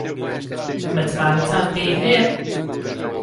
متمانەتان پێی هەیە؟